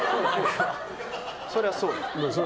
そりゃそうよ。